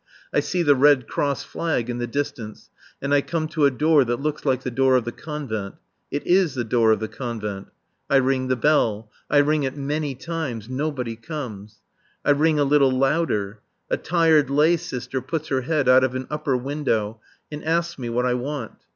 I see the Red Cross flag in the distance, and I come to a door that looks like the door of the Convent. It is the door of the Convent. I ring the bell. I ring it many times. Nobody comes. I ring a little louder. A tired lay sister puts her head out of an upper window and asks me what I want.